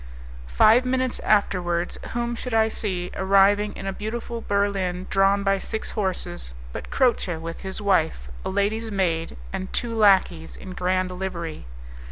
Five minutes afterwards whom should I see, arriving in a beautiful berlin drawn by six horses, but Croce with his wife, a lady's maid, and two lackeys in grand livery.